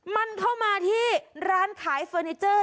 มันเข้ามาที่ร้านขายเฟอร์นิเจอร์